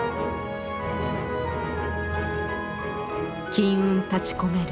金雲立ちこめる